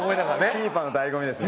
キーパーの醍醐味ですね。